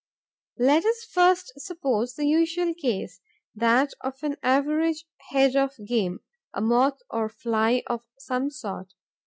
Let us first suppose the usual case, that of an average head of game, a Moth or Fly of some sort.